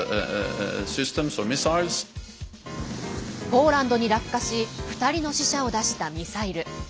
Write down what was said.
ポーランドに落下し２人の死者を出したミサイル。